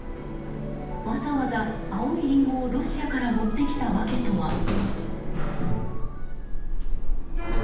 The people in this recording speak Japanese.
わざわざ青いリンゴをロシアから持ってきた訳とは。